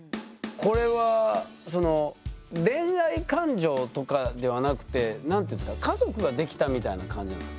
これはその恋愛感情とかではなくて何て言うんですか家族ができたみたいな感じなんですかサヤカさん。